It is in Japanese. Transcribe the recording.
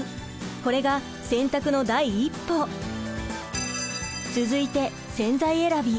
これが洗濯の第一歩！続いて洗剤選び。